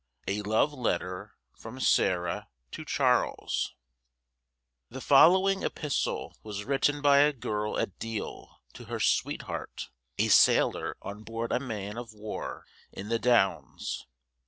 A LOVE LETTER from SARAH to CHARLES. The following epistle was written by a girl at Deal to her sweetheart, a sailor on board a man of war in the Downs.